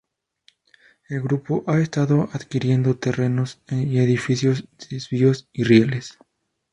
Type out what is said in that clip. El grupo ha estado adquiriendo terrenos y edificios, desvíos y rieles.